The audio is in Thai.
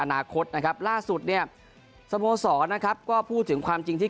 อนาคตนะครับล่าสุดเนี่ยสโมสรนะครับก็พูดถึงความจริงที่